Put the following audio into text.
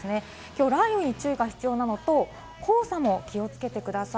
今日、雷雨に注意が必要なのと、黄砂も気をつけてください。